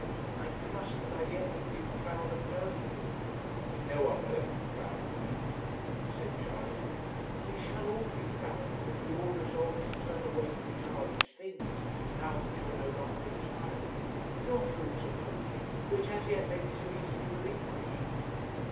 I trust that I yet may be proud of knowing you ' 'No one will ever be proud of me,' said Charley. 'We shall all be proud of you, if you will resolve to turn away from childish things now that you are no longer a child your faults are faults which as yet may be so easily relinquished.